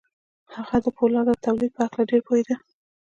هغه د پولادو د تولید په هکله ډېر پوهېده